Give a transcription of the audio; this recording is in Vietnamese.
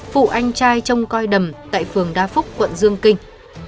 phụ anh trai trông coi đầm tại phường đa phúc quận dương kinh